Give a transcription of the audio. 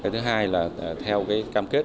thứ hai là theo cam kết